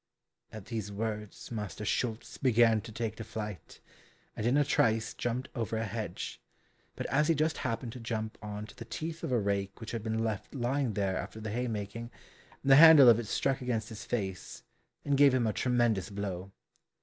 At these words Master Schulz began to take to flight, and in a trice jumped over a hedge, but as he just happened to jump on to the teeth of a rake which had been left lying there after the hay making, the handle of it struck against his face and gave him a tremendous blow.